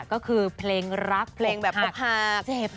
ก็คือเพลงรักปกหักเจ็บ